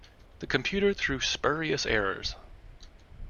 The computer threw spurious errors.